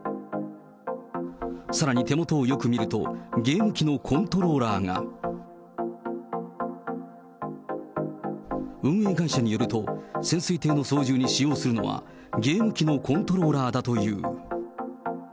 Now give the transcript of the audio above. さらに手元をよく見ると、ゲーム機のコントローラーが。運営会社によると、潜水艇の操縦に使用するのは、ゲーム機のコントローラーだという。